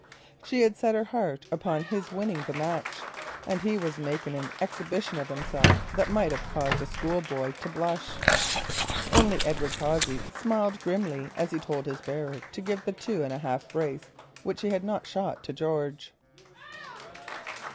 She had set her heart upon his winning the match, and he was making an exhibition of himself that might have caused a schoolboy to blush. Only Edward Cossey smiled grimly as he told his bearer to give the two and a half brace which he had shot to George.